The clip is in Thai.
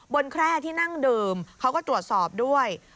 แคร่ที่นั่งดื่มเขาก็ตรวจสอบด้วย